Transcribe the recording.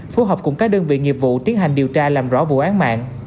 phối hợp cùng các đơn vị nghiệp vụ tiến hành điều tra làm rõ vụ án mạng